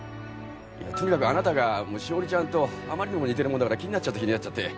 とにかくあなたが史織ちゃんとあまりにも似てるもんだから気になっちゃって気になっちゃって。